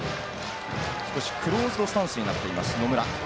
少しクローズドスタンスになっています野村。